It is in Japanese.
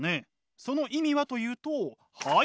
その意味はというとはい。